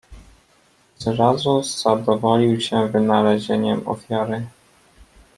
"Zrazu zadowolił się wynalezieniem ofiary."